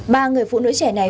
ba người phụ nữ trẻ này